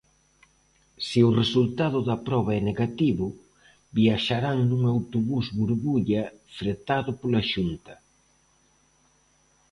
Se o resultado da proba é negativo, viaxarán nun autobús burbulla fretado pola Xunta.